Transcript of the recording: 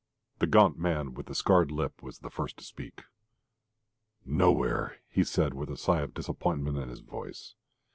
The gaunt man with the scarred lip was the first to speak. "Nowhere," he said, with a sigh of disappointment in his voice.